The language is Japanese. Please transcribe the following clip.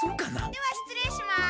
ではしつ礼します。